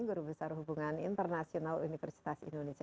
guru besar hubungan internasional universitas indonesia